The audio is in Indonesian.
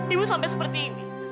ibu sampai seperti ini